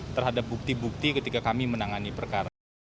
terhadap bukti bukti ketika kami menangani perkara